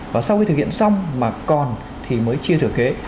và sau khi thực hiện xong mà còn thì mới chưa thừa kế